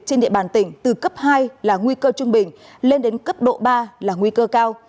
trên địa bàn tỉnh từ cấp hai là nguy cơ trung bình lên đến cấp độ ba là nguy cơ cao